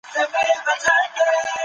لويه جرګه له پخوا څخه د ستونزو حل کوي.